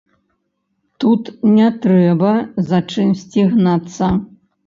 Тут не трэба за чымсьці гнацца.